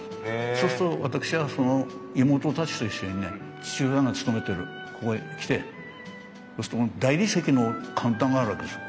そうすると私はその妹たちと一緒にね父親が勤めてるここへ来てそうすると大理石のカウンターがあるわけですよ